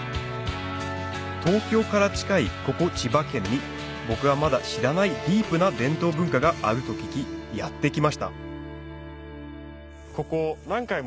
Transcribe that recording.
東京から近いここ千葉県に僕がまだ知らないディープな伝統文化があると聞きやって来ましたここ。